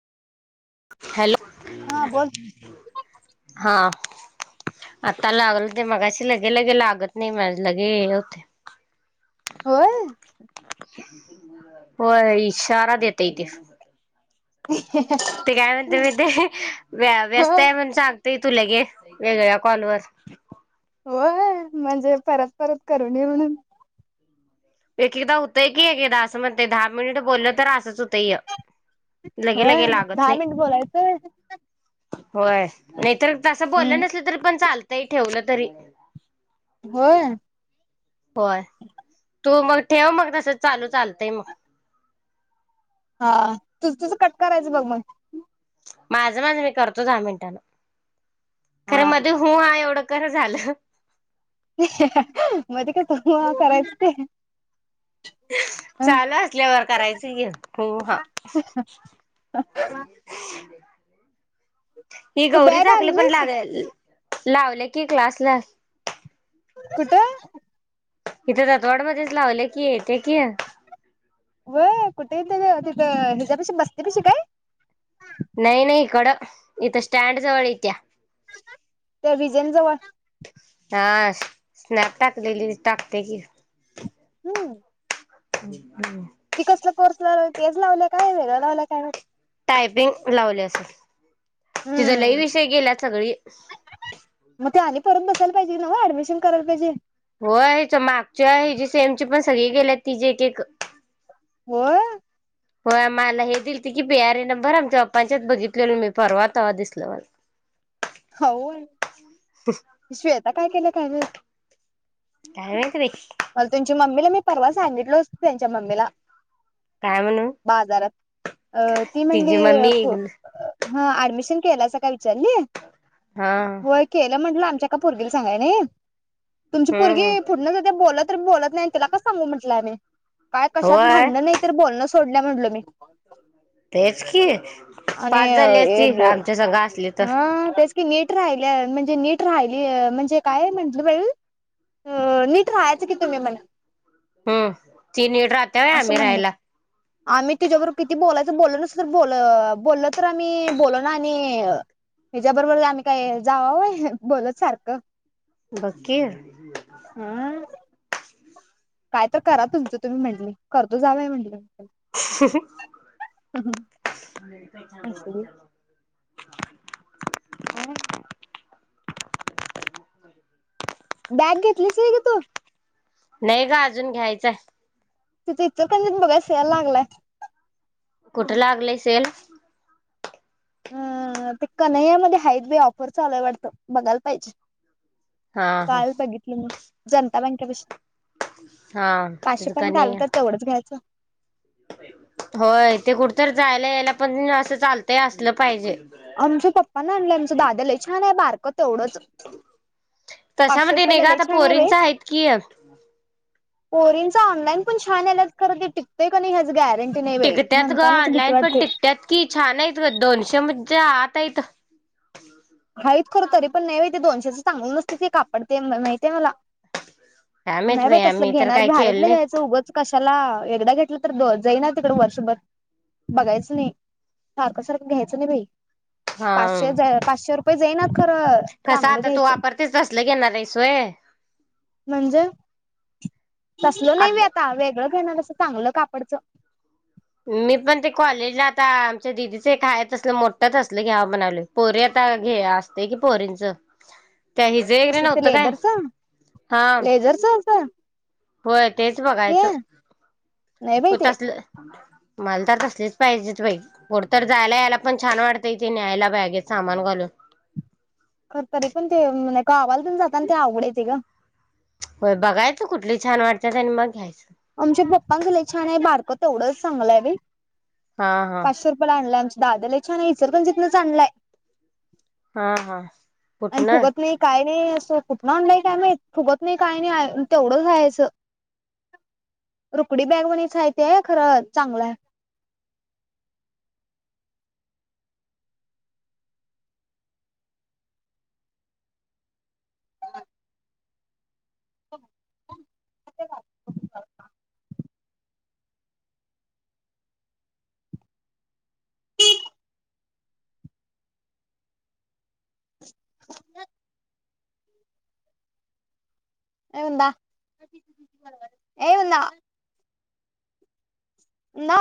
Hello हा बोल हा आता लागल नाही मग अे लगे लगे लागत नाही माझ लगे होतय. होय. होय इशारा देतय ते. ते काय म्हणते ह माहिते व्यस्त आहे म्हणून सांग ते तुला घे वेगळ्या कॉलवरर होय म्हणजे परत परत करू नये म्हणून एक एकदा होतंय की एकेदा असं म्हणतय दहा मिनिट बोललं तर असंच होतंय. लगे होय लगे लागत दहा नाही मिनट बोलायचंय. होय नाहीतर तसं बोललं हम्म नसल तरी पण चालतय ठेवलं तरी. होय होय तू मग ठेव मग तस चालू चालतय मग. हा तु तुझं कट करायचं बघ मग. माझं माझं मी करतो दहा मिनिटांन खरं हा मध्ये हो ह एवढं कर झालं. मध्ये काय हूं हा तु करायचं ते. चालू असल्यावर करायचं की हु हा. [inaudible] ही तू गौरी बॅग झाकली पण आणलीस लाग लावल्या की क्लासला. कुठ? इथ दतवाड मध्येच लावल्या कि येत्या कि. व्हय कुठ येत्या ग? तिथं हिच्यापशी बस्ती पशी काय? नाही नाही इकडं इथं स्टँड जवळ इत्या. त्या विजेन जवळ.. हा स्नॅप टाकलेली टाकत्या की. हम्म. ह हम्म. ती कसला कोर्स लावल्या? तेच लावल्या काय वेगळा लावल्या काय माहित. टायपिंग लावली असल. तिज लई हम्म विषय गेल्यात सगळी. मग ते आणि परत बसायला पाहिजे नव्ह, ऍडमिशिन करायला पाहिजे? होय हीच मागच्या हिची सेमची पण सगळी गेल्यात तीची एक एक. होय? होय मला हे दिलती की पी आर इ नंबर आमच्या पप्पांच्यात बघितलेलो मी परवा तवा दिसल. [inaudible] हा होय. श्वेता काय केल्या काय माहित? काय माहित बाई. तिला मी परवा सांगितलो असतो त्यांच्या मम्मीला. काय म्हणून बाजारात अ ती म्हणली तिची मम्मी हा ऍडमिशन केलासा काय विचारली. हा होय केलं म्हंटलं आम्ही ते का पोरगीला सांगाय नई. तुमची हम्म पोरगी हम्म फूडन जातीया बोलत बोलत नाय तिला का सांगू म्हणलं आम्ही, काय कशात होय भांड्डणं नाही तरी बोलणं सोडल तिला म्हटलो मी. तेच की आणि पास झाली असती आमच्यासंग हा तेच की नीट राहिल्या, म्हणजे नीट राहिली, म्हणजे काय म्हटली बाइ अ नीट राहायचं की तुम्ही म्हण. हम्म तीन नीट राहते होय असं आम्ही म्हणली राहायला आम्ही तिजा बरोबर किती बोलाय तिथं बोलल नसल तर बोल बोलल तर आम्ही बोलना आणि अ हिच्या बरोबर आम्ही काय जावाव वय, बोलत सारखं. बक की. हा काय तर करा तुमचं तुम्ही म्हंटली, करतो जा बाई म्हंटलं. [inaudible] असली [unintelligible] व्हय. [inaudible] बॅग घेतलीस वय ग तू? नाही ग अजून, घ्यायचंय. तिथं इचलकरंजीत बघुया सेल लागलाय. कुठ लागलय सेल? अ ते कन्हैयामध्ये हयात बाई ऑफर चालूय वाटतं बघायला पाहिजे. हा हा काल बघितली मी जनता बँकेपशी. हा पाचशे तिथं का पर्यंत आल नाही तर तेवढंच घ्यायचं. होय ते कुठ तर जायला यायला पण असं चालतंय असलं पाहिजे. आमच्या पप्पान आणलं आमच्या दादा लय छान हाय बारक तेवढंच. पाचशे तशामध्ये नाही ग आता पोरींच हायत की. पोरीनच ऑनलाईन पण छान आल्यात खरं ते टिकतेय का नाही हेच गॅर टिकत्यात ग ऑनलाईन पण टिकत्यात की छान आहेत बग दोनशे म च्या आत हाइत. हाहित खरं तरी पण नाही. माहिती ते दोनशेचं चांगलं नसते ते कापडते माहितीये मला, काय माहित नाही बाई तसलं आम्ही तर घेणार काय केलं भारीतलं नाही जायचं उगंच कस, चला एकदा घेतलं तर जाई ना तिकडे वर्षभर, बघायचं नाही. सारखं सारखं घ्यायचं नाही बाई हा पाचशे पाचशे, प जाईना खरं कसं चांगलं आता तू घ्यायचं. वापरतेच तसलं घेणार आहेस व्हय म्हणजे, तसल आ नाही मी आता वेगळं घेणारसं चांगलं कापडचं. मी पण ते कॉलेजला आता आमच्या दिदीच एकाय असलं मोठं असलं घ्याव बनवले पोर आता, घे असते की पोरींचं, त्या हिजे कसलं ते नव्हतं काय लेदरचं हा, लेझरच असं होय तेच ते बघायचं नाही बाई होत ते असलं. मला तर तसलीच पाहिजे बाई कूटतर जायला यायला, पण छान वाटतंय त न्यायला बॅगेत सामान घालून. [unintelligible] खर तरी पण ते गावाला तेण जातानाते आवडायचे ग, होय बघायचं कुठली छान वाटतात. आणि मग घ्यायचं, तेवढं चांगलं आहे हा हा पाशे रूपया आणला, दादा लई छान इचलकरंजी जिथनं च आणलंय. हा हा कुठनं, नाही काय नाही असं कुठन आणलंय काय म फुगत नाही काय नाही तेवढं रायचं, रुकडी बॅग म्हचय तेय खरं चांगलं आहे. [unintelligible] [unintelligible] एदा ए [unintelligible] ना